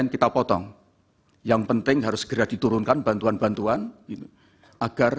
kita potong yang penting harus segera diturunkan bantuan bantuan agar